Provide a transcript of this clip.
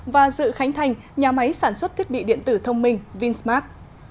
và dự khánh thành nhà máy sản xuất thiết bị điện tử thông minh vinsmart